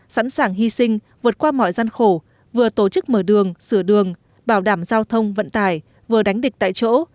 sẵn sàng hy sinh vượt qua mọi gian khổ vừa tổ chức mở đường sửa đường bảo đảm giao thông vận tải vừa đánh địch tại chỗ